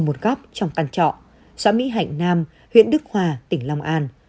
vì việc xin thêm tiền từ thiện ông hùng ngồi một góc trong căn trọ xã mỹ hạnh nam huyện đức hòa tỉnh long an